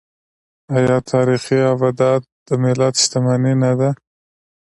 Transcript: آیا تاریخي ابدات د ملت شتمني نه ده؟